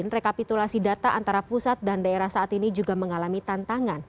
rekapitulasi data antara pusat dan daerah saat ini juga mengalami tantangan